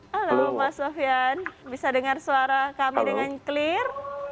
halo mas sofian bisa dengar suara kami dengan clear